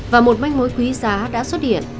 và một mách mối quý giá đã xuất hiện